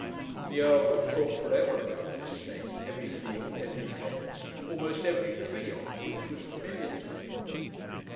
The Earl could talk for ever about the estate, every field, every fence, almost every tree on which was familiar to him.